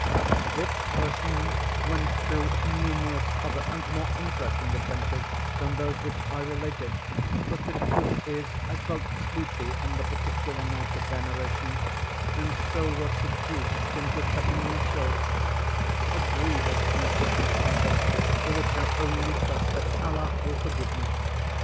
This person went through numerous other and more interesting adventures than those which I related; but the truth is, I felt sleepy on the particular night of their narration, and so was seduced into cutting them short—a grievous piece of misconduct, for which I only trust that Allah will forgive me.